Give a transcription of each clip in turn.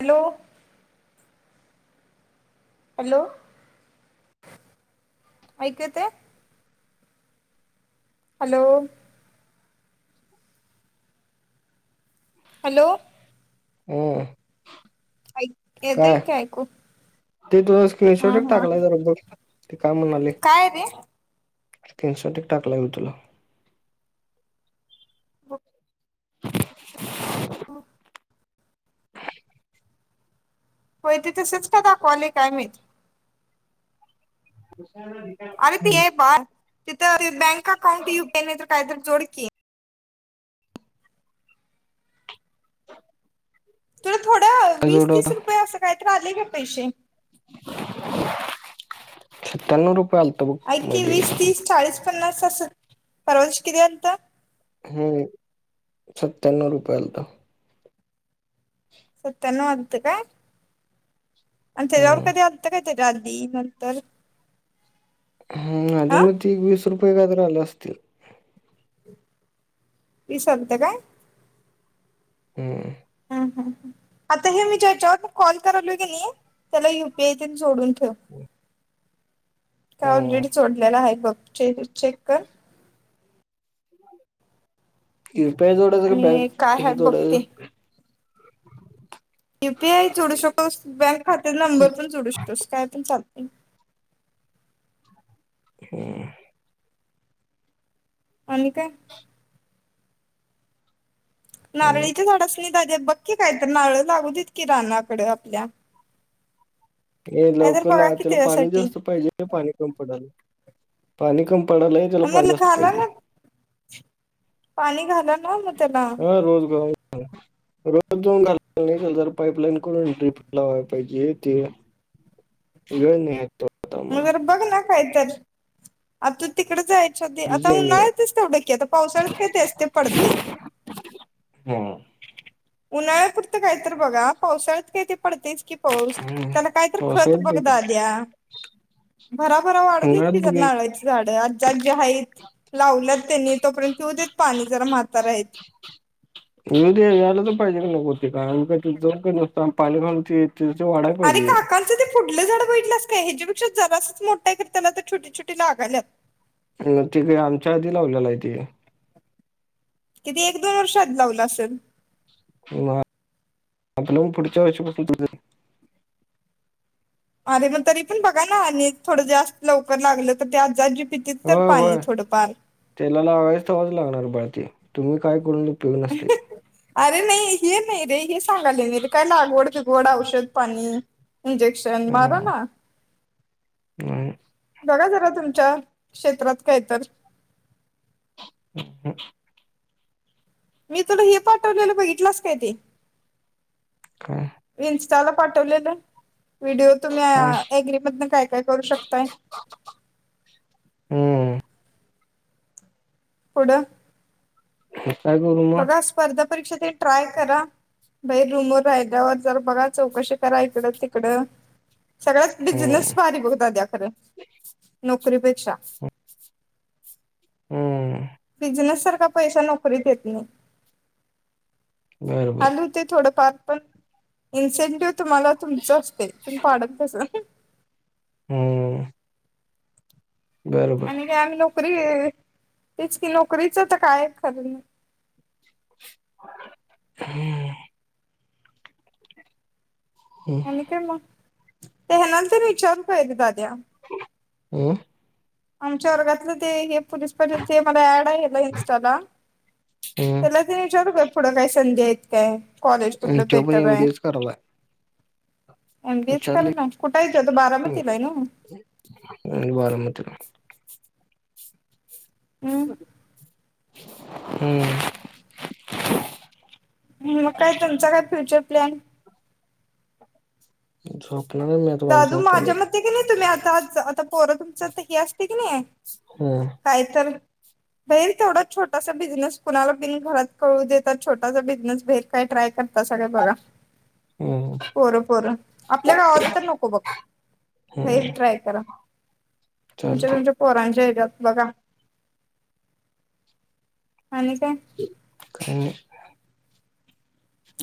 Hello hello, ऐकु येतय? Hello hello ये अय येतय का ऐकु? ते तुझा स्क्रिनशॉट टाकलाय. जरा बघ ते काय म्हणाले, काय रे कीनशट टाकला म तुला च [unintelligible] होय त तिथं सच का दाखवाले काय माहित हम्म [unintelligible] अरे ती आहे बाळ तिथं बँक अकाऊंट यूपीआय नाही तर काही तरी जोड की तुला थोडं वेळ, काय वीस जोड तीस होता रुपये असं काही तर आले का पैसे सत्या्नव रुपये आल ऐ ईकी वीस, तीस, चाळीस, पन्नास, अस परवानश कि अंत हम्म, सत्यान्नव रुपयाला सत्यानव न [unintelligible] वाते काय अर हम्म कधी ता कायतरी री नंतर [unintelligible] हम, आधी हा मधी एक वीस रुपये व्याज आले असतील विस आलते काय हम् ह आता हे मी ज्याच्यावर म कॉल करालो की त्याला युपीआय जोडून ठे काय हम्म ऑलरेडी सोडलेला आहे बघ चेक कर यु पीआय, झोडू का आणि बँक काय आहे बघ हे ोझोडु ते. यु पी आय जोडू शकतोस बँक खात्या नंबर पण जोडू शकतोस काय पण चालत हम् आणि का काय नाही नारळीच्या झाड अस नाही दादे बक्की काय तर नारळ लागू दत की रानाकडे आपल्या हे काय तर बघा लवकला की त्याला पाणी त्याच्यासाठी जास्त पाहिजे पाणी कम पडायला पाणी कम पडायला आहे म, घाला ना पाणी घालं ना मग त्याला रोजगार रोज जाऊन घाललाल तर पाईपलाईन करून ट्र्रीप लावायला पाहिजे ते [unintelligible] ये न र बघ ना काय तर आ तू तिकडे जायच हो ते आता बिझी आहे मी उन्हाळ्यातच तेवढं की आता पावसाळ्यात काय ते असते पडते हम् उन्हाळ्यापुरतं काय तर बघा पावसाळ्यात काही ते पडतेस कि पाऊस त्याला काय तर खत पावसाळ्यात बघ- बघदादया भराभरा वाढूतेत त उन्हाळ्यात का बघ नाळाची झाड आज जाग जे आहेत लावल्यात त्यांनी, तोपर्यंत पिऊ देत पाणी जरा म्हातार आहेत, य यायला तर पाहिजे काी नकोती काण काही जो का नसत पालेखा [unintelligible] अर काक ना ते पुुलं झाड बडलं का ह्याच्यापेक्षा झारा असच मोठा करताना ोटी छोटी लागाल्यात अ ते काही आमच्या आधी लावलेला आहे ते कितीएक दोन वर्षात जावलं असेल आपलं पुढच्या वर्षीपासून तुझं अरे मग तरी पण बघा ना आणि थोडं जास्त लवकर लागलं तर ते आज पितीच तर पाणी थोडंफार तेलाला आवाज हवाच लागणार बाळते तुम्ही काय करून पिऊ नसते अरे नाही हे नाही रे हे सांगाले नाही रे काय लागवड, बिगवड, औषध, पाणी इंजेक्शन मारुना ह. बघा जरा तुमच्या क्षेत्रात काय तर हम हम मी तुला हे पाठवलेलं बघितलंस काय ते काय? इन्स्टाला पाठवलेलं व्हिडिओ तुम्ही काय अग्रीमधून काय काय करू शकताय. हम् पुडं काय करु मग. स्पर्धा परीक्षा ते ट्राय करा. भैर रूमवर रायद्यावर जरा बघा चौकशी करा इकड तिकडं सगळ्यात बिझनेस हम्म. फारी बघ दद्याकडे नोकरीपेक्षा हम् बिझनेस सारखा पैसा नोकरीत येत नाही बरं आ बरं ते थोडंफार पण इन्सेंटिव्ह तुम्हाला तुमच असते पन पाडत तस. हम आणि का आम्ही नोकरी तेच कि नोकरीच तर काय खरं नाही हम्म हम्म. आणि काय मग ते कोणाला विचारून काय एकदा दाद्या. हम आमच्या वर्गातलं ते हे पुलिस पाटील ते मला ऍड आहे इन्स्टाला हम्म. त्याला ते विचारू का पुढं काही संध्या आहे त काय कॉलेज आणि कुठलं तो पण बेटर एम बी आहे. एच करायलाय एम बीएच करा विचारले की ना कुठ आहे ते बारावीत हाय ना होय बारावीत हम्म मग काय तुमचां काय फ्युचर प्लॅन झोप आहे मी आता पण दादू आली माझ्या मते कि नाही तुला आता आता पोरं तुमचं हे असते की नाही होय काय तर भेरल तेवढा छोटासा बिझनेस कुणाला बिन घरात कळू देतात छोटासा बिझनेस भे काही ट्राय करता सा बघा हम्म पोर पोर आपल्या गावात तर नको बघ हम्म लई ट्राय करा तुमच्या चालतंय तुमच्यात पोरांच्या हच्यात बघा आणि काय काय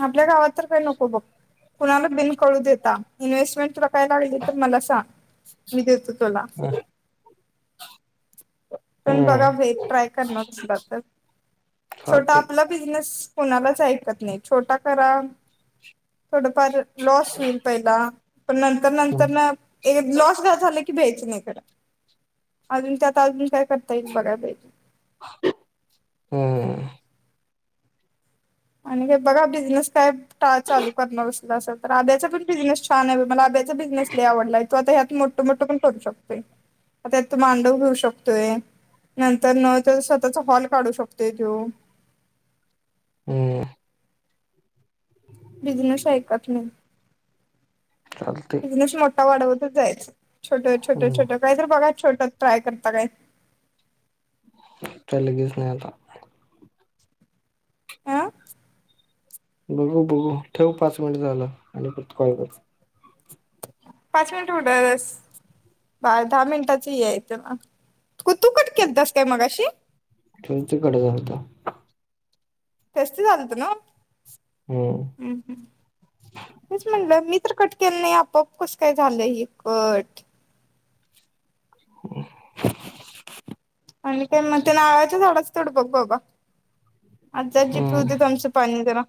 आपल्या गावात तर काही नको बघ कुणाला बिन कळू देता इन्व्हेस्टमेंट पहियला वेज तर मला सांग मी देतो तुला नाही पण बघा हम्म वेग ट्राय करणार आसला तर छोटा चालतंय आपलं बिझनेस कोणालच ऐकत नाही छोटा करा थोडफार लॉस होईल. पहिला पण नंतर हम्म नंतर लॉस झाल की द्यायच नाई खर अजून त्यात अजून काय करता येईल बघा्एला पाहीजे. हम् हम हम आणि का बघा बिझनेस काय चालू करणार अस असल तर आब्याचा पण बिझनेस छान आहे मला आब्याचा बिझनेस नाही आवडलाय त आता ह्यात मोठ मोट मोठ पण करू शकतो त्यात त मांडव घेऊ शकतोय. नंतर न स्वतःचा हॉल काढू शकतोय त्यो. हम्म. बिझनेस ऐकत नाही, चालतंय बिझनेस मोठा वाढवतंच जायचं. छोटं छोटं हम्म छोटं काय तर बघा छोटं ट्राय करता काय. काय लगेच नाही आता. अ बघू बघू ठेव पाच मिनिट झालं आणि परत कॉल कर. पाच मिनिटं [unintelligible] दा दाहा मिनिटाचं हे आहे त्याला, तू कट केलतास काय मगाशी? ठेवुनच कट झालता. टेस्टी झालत ना? हम्म. हम् हं. तेच म्हणटलं मी तर कट केलं नाही, आपोआप कसं काय झालं हे कट? ह आणि काय मग? ते नारळाच्या झाडाचं तेवढं बघ बाबा. आज्जा-आज्जी पिऊ हम्म देत आमचं पाणी जरा.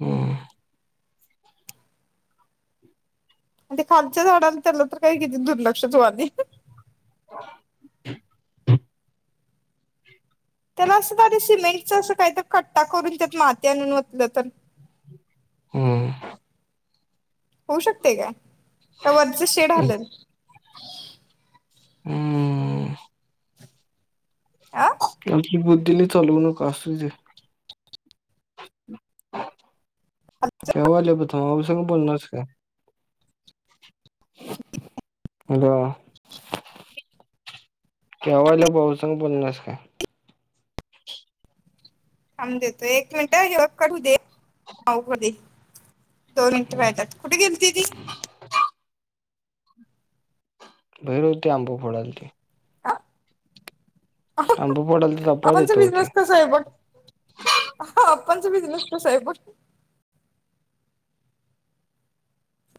हम्म. आणि ते खालच्या झाडाला त्याला तर काही किती दुर्लक्षच व्हालय. [unintelligible] त्याला असं दा सिमेंटच असं काही तर कट्टा करून त्यात माती आणून वतलं तर! हम्म. होऊ शकते का? का वरच शेड हाललं? हमम. आ तुमची बुद्धी लय चालवू नका असू दे. थवा आल्या बगं, थवाईसंग बोलणार आहेस काय? हॅलो. थेवायलासंग बोलणार आहेस काय? थांब देतो एक मिनिटं ह्यो कट होऊ दे [inaudible] दे. दोन मिनिटं व्हायचायत, कुठे गेलती ती? बाहेर होती आंब फोडालती. आंबा फोडालती तेव्हा पाहत आपण सगळी होतो ते. जास्त आहे बग आप्पांचा बिझनेस कसाय बघ.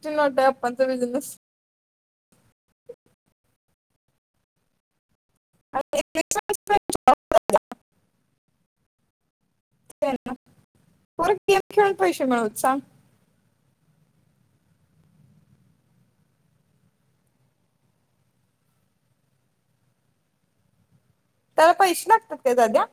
ची नोट आहे अप्पांचा बिझनेस. [inaudible] [unintelligible] गेम खेळून पैसे मिळवत सांग त्याला पैसे लागतात का दादा?